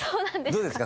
どうですか？